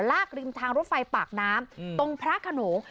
กริมทางรถไฟปากน้ำตรงพระขนง